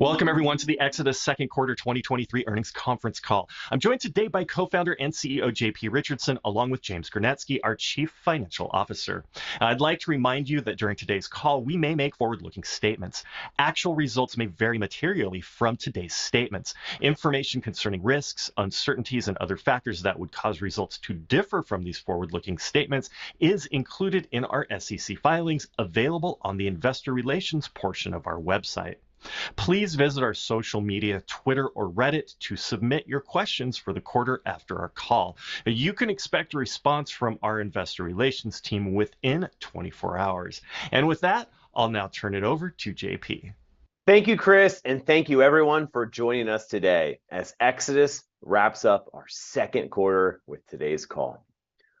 Welcome, everyone, to the Exodus Second Quarter 2023 Earnings Conference Call. I'm joined today by co-founder and CEO; JP Richardson, along with James Gernetzke; our Chief Financial Officer. I'd like to remind you that during today's call, we may make forward-looking statements. Actual results may vary materially from today's statements. Information concerning risks, uncertainties, and other factors that would cause results to differ from these forward-looking statements is included in our SEC filings, available on the investor relations portion of our website. Please visit our social media, Twitter, or Reddit to submit your questions for the quarter after our call. You can expect a response from our investor relations team within 24 hours. With that, I'll now turn it over to JP. Thank you, Chris, and thank you everyone for joining us today as Exodus wraps up our second quarter with today's call.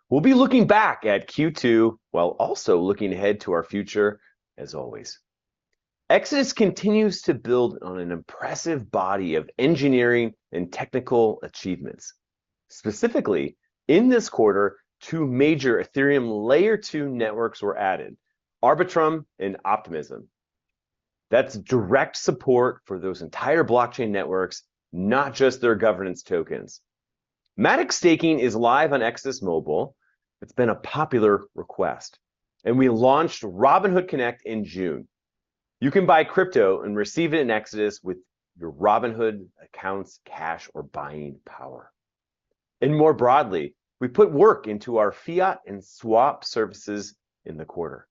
We'll be looking back at Q2, while also looking ahead to our future as always. Exodus continues to build on an impressive body of engineering and technical achievements. Specifically, in this quarter, two major Ethereum Layer 2 networks were added, Arbitrum and Optimism. That's direct support for those entire blockchain networks, not just their governance tokens. MATIC staking is live on Exodus Mobile. It's been a popular request, and we launched Robinhood Connect in June. You can buy crypto and receive it in Exodus with your Robinhood account's cash or buying power. And more broadly, we put work into our fiat and Swap services in the quarter.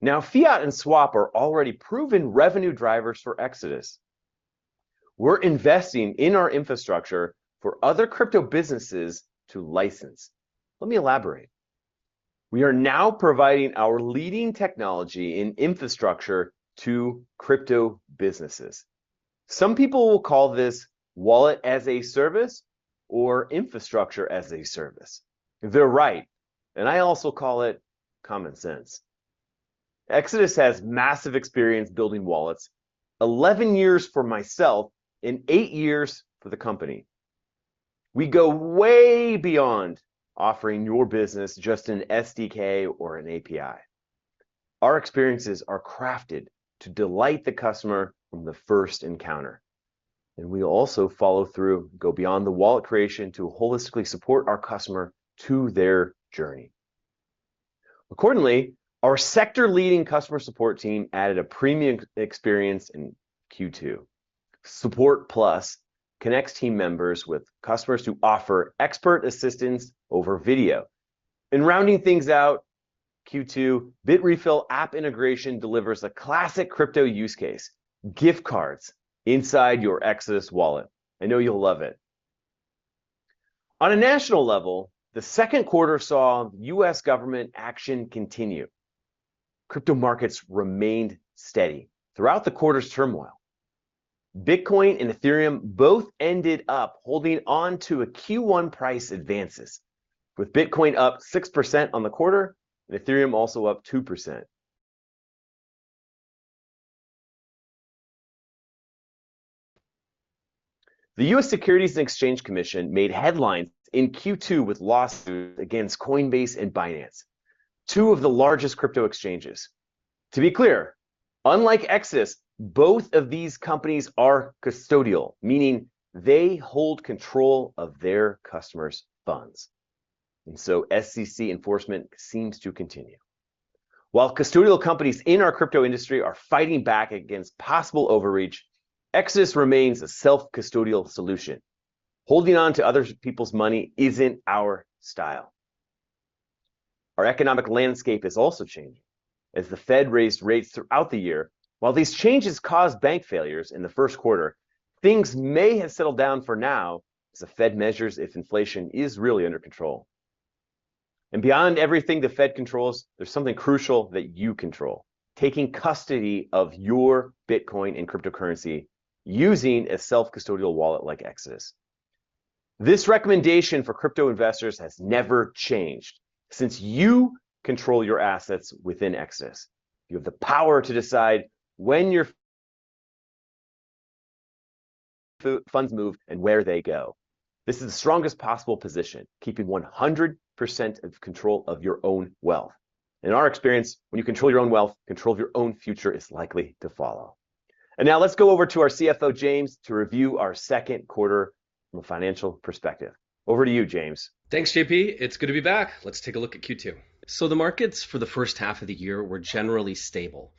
Now, fiat and Swap are already proven revenue drivers for Exodus. We're investing in our infrastructure for other crypto businesses to license. Let me elaborate. We are now providing our leading technology and infrastructure to crypto businesses. Some people will call this Wallet as a Service or Infrastructure as a Service. They're right, and I also call it common sense. Exodus has massive experience building wallets, 11 years for myself and eight years for the company. We go way beyond offering your business just an SDK or an API. Our experiences are crafted to delight the customer from the first encounter, and we also follow through, go beyond the wallet creation to holistically support our customer to their journey. Accordingly, our sector-leading customer support team added a premium ex- experience in Q2. Support+ connects team members with customers to offer expert assistance over video. In rounding things out, Q2 Bitrefill app integration delivers a classic crypto use case, gift cards inside your Exodus Wallet. I know you'll love it. On a national level, the second quarter saw U.S. government action continue. Crypto markets remained steady throughout the quarter's turmoil. Bitcoin and Ethereum both ended up holding on to a Q1 price advances, with Bitcoin up 6% on the quarter and Ethereum also up 2%. The U.S. Securities and Exchange Commission made headlines in Q2 with lawsuits against Coinbase and Binance, two of the largest crypto exchanges. To be clear, unlike Exodus, both of these companies are custodial, meaning they hold control of their customers' funds, and so SEC enforcement seems to continue. While custodial companies in our crypto industry are fighting back against possible overreach, Exodus remains a self-custodial solution. Holding on to other people's money isn't our style. Our economic landscape has also changed as the Fed raised rates throughout the year. While these changes caused bank failures in the first quarter, things may have settled down for now as the Fed measures if inflation is really under control. And beyond everything the Fed controls, there's something crucial that you control, taking custody of your Bitcoin and cryptocurrency using a self-custodial wallet like Exodus. This recommendation for crypto investors has never changed. Since you control your assets within Exodus, you have the power to decide when your funds move and where they go. This is the strongest possible position, keeping 100% of control of your own wealth. In our experience, when you control your own wealth, control of your own future is likely to follow. And now let's go over to our CFO, James, to review our second quarter from a financial perspective. Over to you, James. Thanks, JP. It's good to be back. Let's take a look at Q2. So the markets for the first half of the year were generally stable,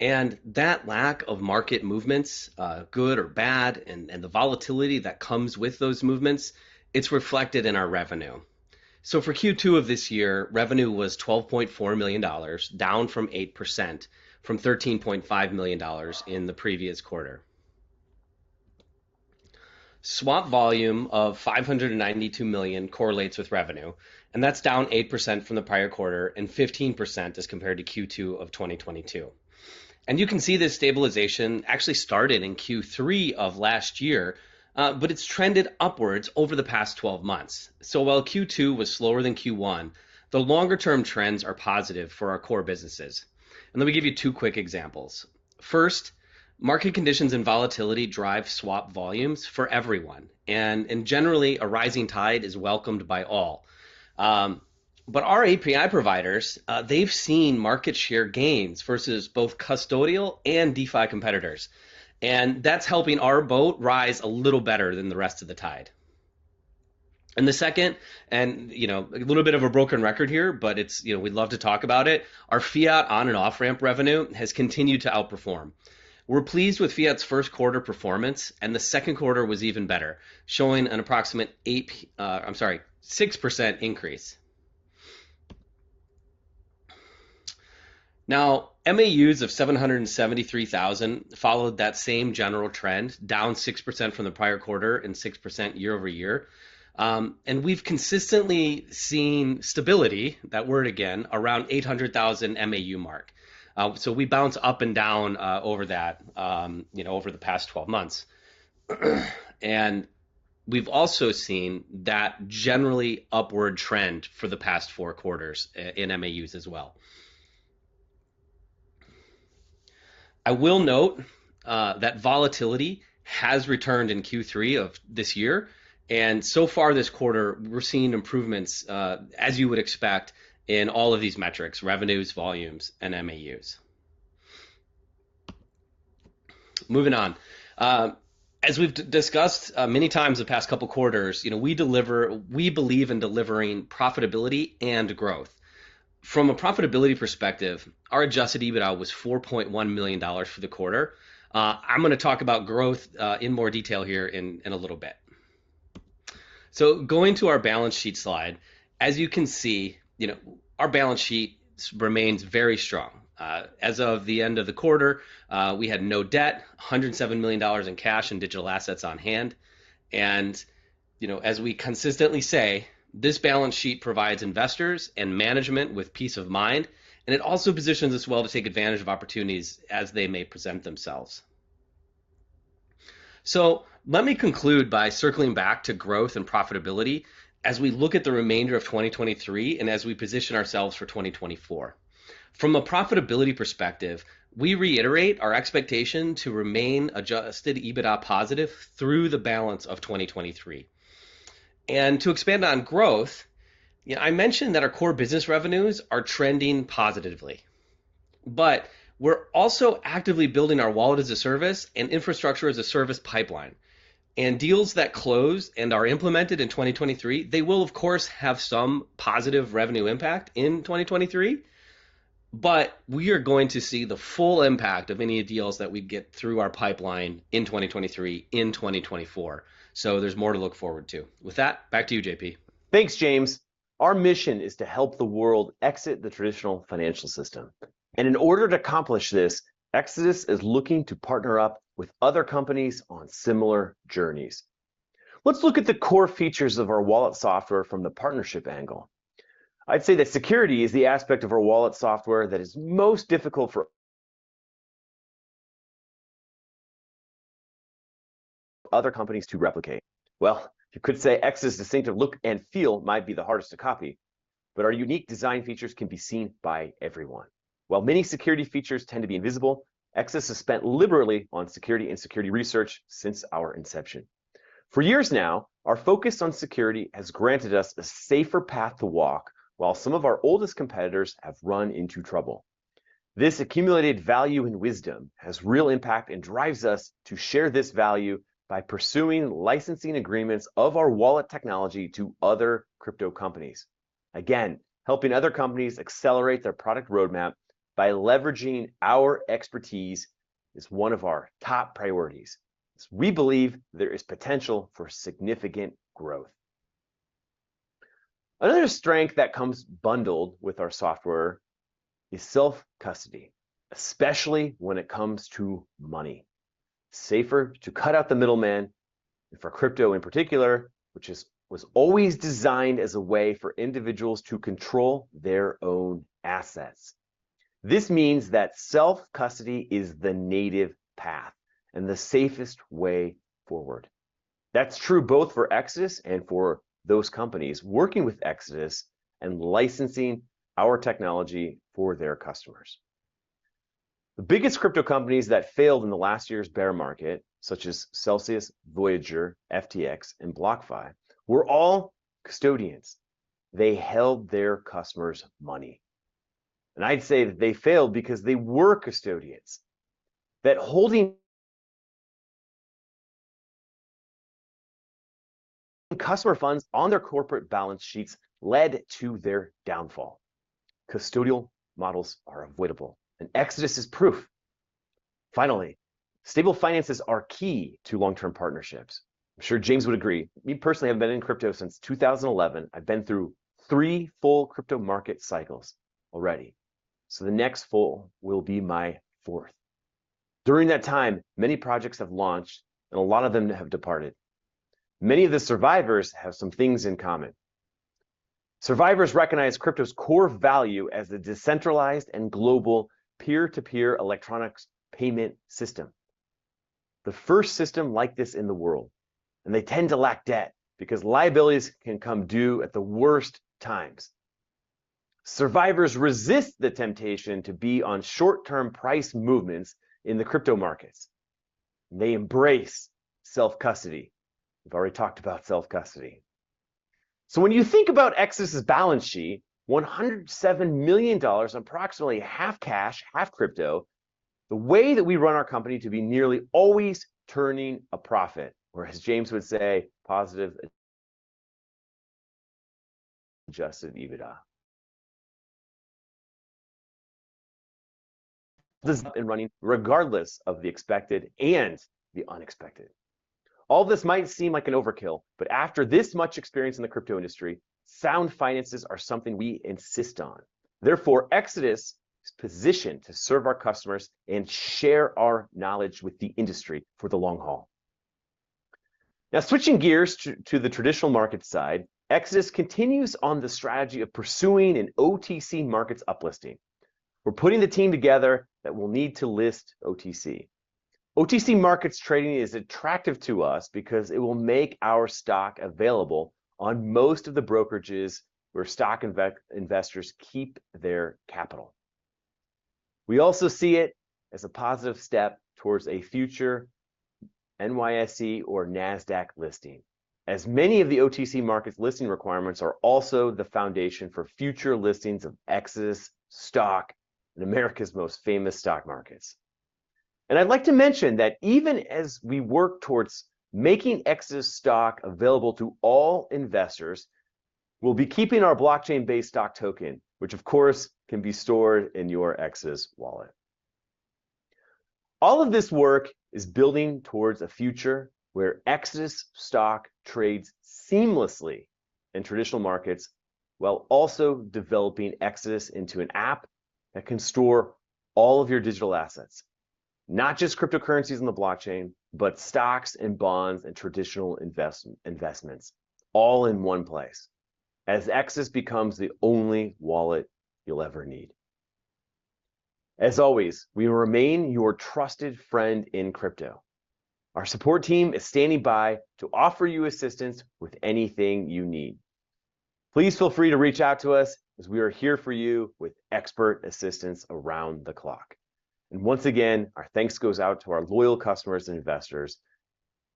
and that lack of market movements, good or bad, and the volatility that comes with those movements, it's reflected in our revenue. So for Q2 of this year, revenue was $12.4 million, down 8% from $13.5 million in the previous quarter. Swap volume of $592 million correlates with revenue, and that's down 8% from the prior quarter and 15% as compared to Q2 of 2022. And you can see this stabilization actually started in Q3 of last year, but it's trended upwards over the past 12 months. So while Q2 was slower than Q1, the longer-term trends are positive for our core businesses. Let me give you two quick examples. First, market conditions and volatility drive swap volumes for everyone, and generally, a rising tide is welcomed by all. But our API providers, they've seen market share gains versus both custodial and DeFi competitors, and that's helping our boat rise a little better than the rest of the tide. And the second, and, you know, a little bit of a broken record here, but it's, you know, we'd love to talk about it. Our fiat on and off-ramp revenue has continued to outperform. We're pleased with fiat's first quarter performance, and the second quarter was even better, showing an approximate 8, I'm sorry, 6% increase. Now, MAUs of 773,000 followed that same general trend, down 6% from the prior quarter and 6% year-over-year. We've consistently seen stability, that word again, around 800,000 MAU mark. So we bounce up and down over that, you know, over the past 12 months. We've also seen that generally upward trend for the past four quarters in MAUs as well. I will note that volatility has returned in Q3 of this year, and so far this quarter, we're seeing improvements as you would expect in all of these metrics: revenues, volumes, and MAUs. Moving on. As we've discussed many times the past couple of quarters, you know, we believe in delivering profitability and growth. From a profitability perspective, our Adjusted EBITDA was $4.1 million for the quarter. I'm gonna talk about growth in more detail here in a little bit. So going to our balance sheet slide, as you can see, you know, our balance sheet remains very strong. As of the end of the quarter, we had no debt, $107 million in cash and digital assets on hand. And, you know, as we consistently say, this balance sheet provides investors and management with peace of mind, and it also positions us well to take advantage of opportunities as they may present themselves. So let me conclude by circling back to growth and profitability as we look at the remainder of 2023 and as we position ourselves for 2024. From a profitability perspective, we reiterate our expectation to remain Adjusted EBITDA positive through the balance of 2023. To expand on growth, you know, I mentioned that our core business revenues are trending positively, but we're also actively building our wallet-as-a-service and infrastructure-as-a-service pipeline. Deals that close and are implemented in 2023, they will, of course, have some positive revenue impact in 2023, but we are going to see the full impact of any deals that we get through our pipeline in 2023, in 2024. So there's more to look forward to. With that, back to you, JP. Thanks, James. Our mission is to help the world exit the traditional financial system, and in order to accomplish this, Exodus is looking to partner up with other companies on similar journeys. Let's look at the core features of our wallet software from the partnership angle. I'd say that security is the aspect of our wallet software that is most difficult for other companies to replicate. Well, you could say Exodus' distinctive look and feel might be the hardest to copy, but our unique design features can be seen by everyone. While many security features tend to be invisible, Exodus has spent liberally on security and security research since our inception. For years now, our focus on security has granted us a safer path to walk, while some of our oldest competitors have run into trouble. This accumulated value and wisdom has real impact and drives us to share this value by pursuing licensing agreements of our wallet technology to other crypto companies. Again, helping other companies accelerate their product roadmap by leveraging our expertise is one of our top priorities, as we believe there is potential for significant growth. Another strength that comes bundled with our software is self-custody, especially when it comes to money. Safer to cut out the middleman for crypto in particular, which was always designed as a way for individuals to control their own assets. This means that self-custody is the native path and the safest way forward. That's true both for Exodus and for those companies working with Exodus and licensing our technology for their customers. The biggest crypto companies that failed in the last year's bear market, such as Celsius, Voyager, FTX, and BlockFi, were all custodians. They held their customers' money, and I'd say that they failed because they were custodians. That holding customer funds on their corporate balance sheets led to their downfall. Custodial models are avoidable, and Exodus is proof. Finally, stable finances are key to long-term partnerships. I'm sure James would agree. Me, personally, I've been in crypto since 2011. I've been through three full crypto market cycles already, so the next full will be my fourth. During that time, many projects have launched, and a lot of them have departed. Many of the survivors have some things in common. Survivors recognize crypto's core value as a decentralized and global peer-to-peer electronic payment system, the first system like this in the world, and they tend to lack debt because liabilities can come due at the worst times. Survivors resist the temptation to be on short-term price movements in the crypto markets. They embrace self-custody. We've already talked about self-custody. So when you think about Exodus's balance sheet, $107 million, approximately half cash, half crypto, the way that we run our company to be nearly always turning a profit, or as James would say, positive Adjusted EBITDA and running regardless of the expected and the unexpected. All this might seem like an overkill, but after this much experience in the crypto industry, sound finances are something we insist on. Therefore, Exodus is positioned to serve our customers and share our knowledge with the industry for the long haul. Now, switching gears to, to the traditional market side, Exodus continues on the strategy of pursuing an OTC Markets uplisting. We're putting the team together that we'll need to list OTC. OTC Markets trading is attractive to us because it will make our stock available on most of the brokerages where stock investors keep their capital. We also see it as a positive step towards a future NYSE or NASDAQ listing, as many of the OTC Markets listing requirements are also the foundation for future listings of Exodus stock in America's most famous stock markets. And I'd like to mention that even as we work towards making Exodus stock available to all investors, we'll be keeping our blockchain-based stock token, which of course, can be stored in your Exodus Wallet. All of this work is building towards a future where Exodus stock trades seamlessly in traditional markets, while also developing Exodus into an app that can store all of your digital assets, not just cryptocurrencies on the blockchain, but stocks and bonds and traditional investments all in one place, as Exodus becomes the only wallet you'll ever need. As always, we will remain your trusted friend in crypto. Our support team is standing by to offer you assistance with anything you need. Please feel free to reach out to us, as we are here for you with expert assistance around the clock. And once again, our thanks goes out to our loyal customers and investors.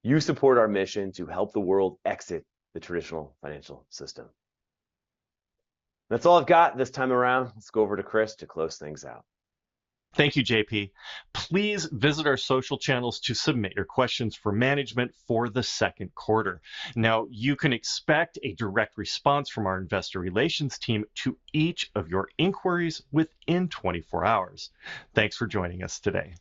You support our mission to help the world exit the traditional financial system. That's all I've got this time around. Let's go over to Chris to close things out. Thank you, JP. Please visit our social channels to submit your questions for management for the second quarter. Now, you can expect a direct response from our investor relations team to each of your inquiries within 24 hours. Thanks for joining us today.